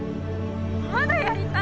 まだやりたい！